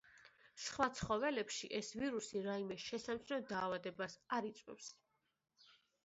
სხვა ცხოველებში ეს ვირუსი რაიმე შესამჩნევ დაავადებას არ იწვევს.